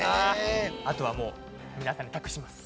あとはもう皆さんに託します。